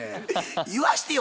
言わしてよ